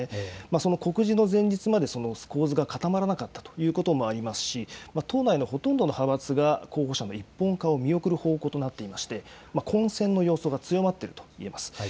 その告示の前日まで、構図が固まらなかったということもありますし、党内のほとんどの派閥が候補者の一本化を見送る方向となっていまして、混戦の様相が強まっているといえます。